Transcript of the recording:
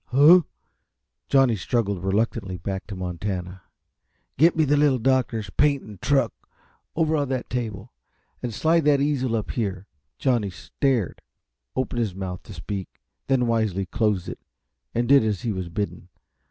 "Huh?" Johnny struggled reluctantly back to Montana. "Get me the Little Doctor's paint and truck, over on that table, and slide that easel up here." Johnny stared, opened his mouth to speak, then wisely closed it and did as he was bidden.